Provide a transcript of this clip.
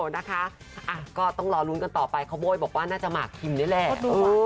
นะคะก็ต้องรอลุ้นกันต่อไปเขาโบ้ยบอกว่าน่าจะหมากคิมนี่แหละ